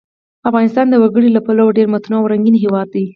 افغانستان د وګړي له پلوه یو ډېر متنوع او رنګین هېواد دی.